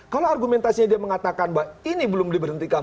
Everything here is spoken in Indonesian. kalau argumentasinya dia mengatakan bahwa ini belum diberhentikan